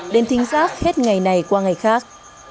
đến thính giác hết ngày này qua ngày khác